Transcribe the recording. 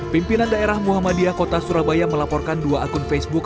pimpinan daerah muhammadiyah kota surabaya melaporkan dua akun facebook